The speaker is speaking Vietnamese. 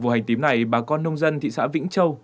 vụ hành tím này bà con nông dân thị xã vĩnh châu